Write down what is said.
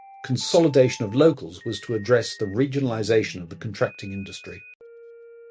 Consolidation of Locals was to address the regionalization of the contracting industry.